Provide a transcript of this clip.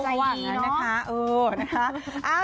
ใส่อย่างนี้ค่ะ